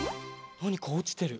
なにかおちてる。